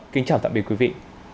kính chào tạm biệt quý vị